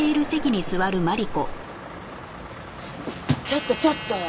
ちょっとちょっと。